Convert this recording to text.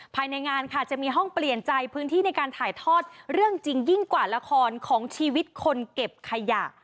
ภายในงานค่ะจะมีห้องเปลี่ยนใจพื้นที่ในการถ่ายทอดเรื่องจริงยิ่งกว่าละครของชีวิตคนเก็บขยะ